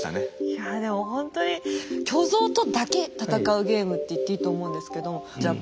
いやでもほんとに巨像とだけ戦うゲームって言っていいと思うんですけどじゃあ